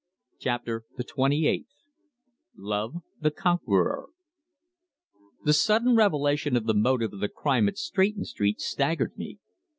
_" CHAPTER THE TWENTY EIGHTH LOVE THE CONQUEROR The sudden revelation of the motive of the crime at Stretton Street staggered me.